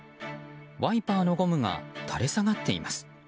ワイパーのゴムが垂れ下がっています。